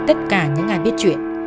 tất cả những ai biết chuyện